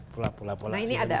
nah ini ada